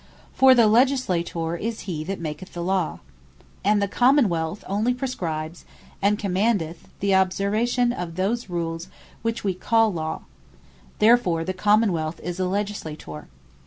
For the Legislator, is he that maketh the Law. And the Common wealth only, praescribes, and commandeth the observation of those rules, which we call Law: Therefore the Common wealth is the Legislator.